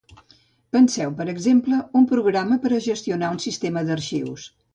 Penseu, per exemple, un programa per a gestionar un sistema d'arxius.